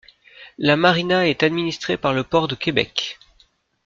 La marina est administrée par le port de Québec.